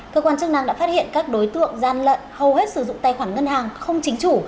cơ quan chức năng đã phát hiện các đối tượng gian lận hầu hết sử dụng tài khoản ngân hàng không chính chủ